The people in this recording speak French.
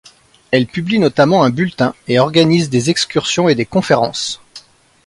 Elle publie notamment un bulletin et organise des excursions et des conférences.